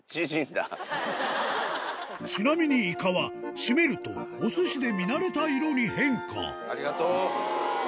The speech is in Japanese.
ちなみにイカは締めるとお寿司で見慣れた色に変化ありがとう。